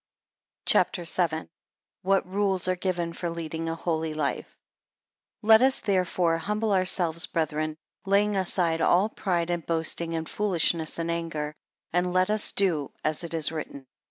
CHAPTER VII. 1 What rules are given for leading a holy life. LET us, therefore, humble ourselves, brethren, laying aside all pride, and boasting, and foolishness, and anger: And let us do as it is written.